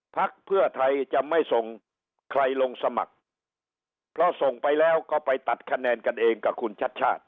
พักเพื่อไทยจะไม่ส่งใครลงสมัครเพราะส่งไปแล้วก็ไปตัดคะแนนกันเองกับคุณชัดชาติ